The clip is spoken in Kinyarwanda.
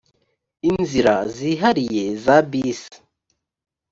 inzira zihariye za bisi